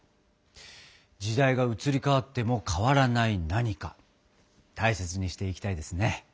時代が移り変わっても変わらない何か大切にしていきたいですね。